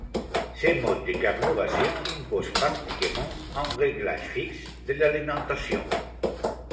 Ce mode de carburation impose pratiquement un réglage fixe de l'alimentation.